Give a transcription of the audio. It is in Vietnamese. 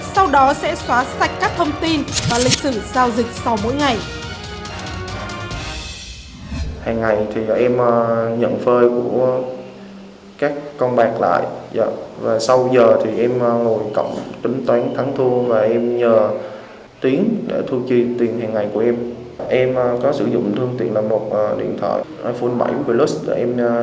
sau đó sẽ xóa sạch các thông tin và lịch sử giao dịch sau mỗi ngày